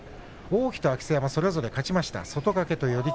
王輝と明瀬山はそれぞれ勝ちました。